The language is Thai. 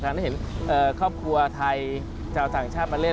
ได้เห็นครอบครัวไทยชาวต่างชาติมาเล่น